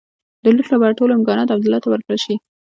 د لوټ لپاره ټول امکانات عبدالله ته ورکړل شي.